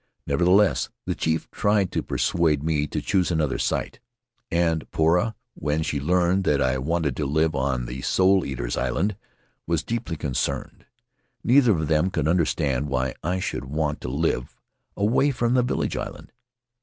Nevertheless, the chief tried to persuade me to choose another site; and Poura, when she learned that I wanted to live on the Soul Eaters' Island, was deeply concerned. Neither of them could understand why I should want to live away from the village island.